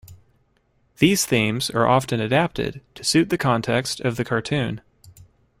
These themes are often adapted to suit the context of the cartoon.